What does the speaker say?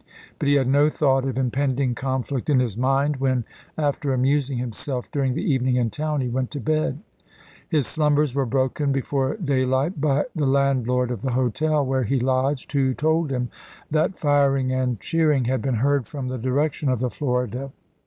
But he had no thought of impending conflict in his mind when, after amusing himself during the evening in town, he went to bed. His slumbers were broken before daylight by the land lord of the hotel where he lodged, who told him that firing and cheering had been heard from the direction of the Florida.